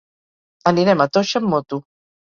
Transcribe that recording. Anirem a Toixa amb moto.